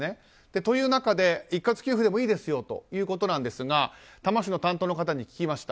という中で、一括給付でもいいですよということなんですが多摩市の担当の方に聞きました。